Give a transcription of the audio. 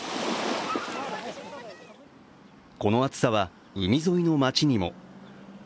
この暑さは海沿いの町にも。